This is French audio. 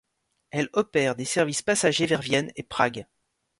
Elle opère des services passagers vers Vienne et Prague.